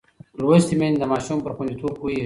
لوستې میندې د ماشوم پر خوندیتوب پوهېږي.